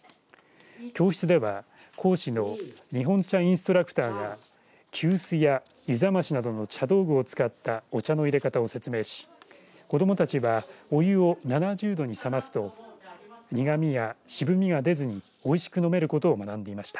教室では、講師の日本茶インストラクターが急須や、湯冷ましなどの茶道具を使ったお茶の入れ方を説明し子どもたちはお湯を７０度にさますと苦味や渋みが出ずにおいしく飲めることを学んでいました。